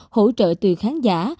hỗ trợ từ khán giả